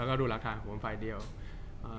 จากความไม่เข้าจันทร์ของผู้ใหญ่ของพ่อกับแม่